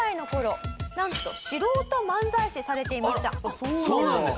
そうなんですか？